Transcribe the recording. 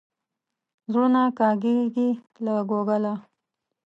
زړونه کاږي له کوګله.